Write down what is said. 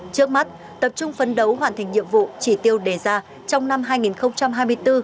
trước mắt tập trung phấn đấu hoàn thành nhiệm vụ chỉ tiêu đề ra trong năm hai nghìn hai mươi bốn